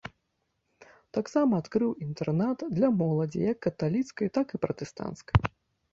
Таксама адкрыў інтэрнат для моладзі, як каталіцкай, так і пратэстанцкай.